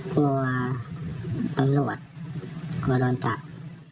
กลัวว่าตำรวจเขามาล้อนจักร